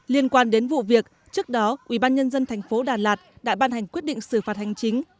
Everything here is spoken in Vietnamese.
liên quan đến vụ việc trước đó ubnd tp đà lạt đã ban hành quyết định xử phạt hành chính